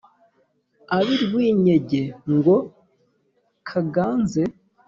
ab’i rwinyege ngo kaganze.